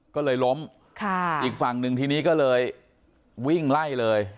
ก็เลยล้มค่ะอีกฝั่งหนึ่งทีนี้ก็เลยวิ่งไล่เลย